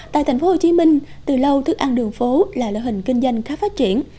tại tp hcm từ lâu thức ăn đường phố là lợi hình kinh doanh khá phát triển